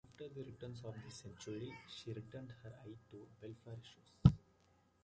After the turn of the century, she turned her eye to welfare issues.